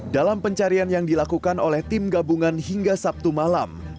dalam pencarian yang dilakukan oleh tim gabungan hingga sabtu malam